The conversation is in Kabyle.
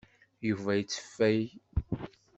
Yuba yetteffay.